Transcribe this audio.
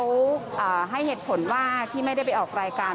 เขาให้เหตุผลว่าที่ไม่ได้ไปออกรายการ